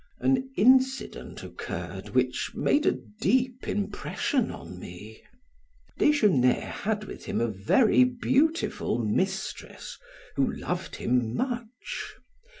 An incident occurred which made a deep impression on me. Desgenais had with him a very beautiful mistress who loved him much.